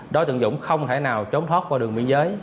đối tượng dũng không thể nào trốn thoát qua đường biên giới